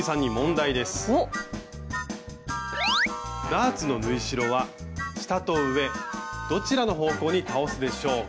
ダーツの縫い代は下と上どちらの方向に倒すでしょうか？